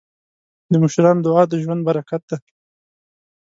د مشرانو دعا د ژوند برکت دی.